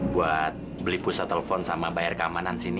buat beli pusat telepon sama bayar keamanan sini